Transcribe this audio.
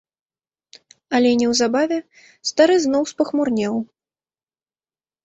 Але неўзабаве стары зноў спахмурнеў.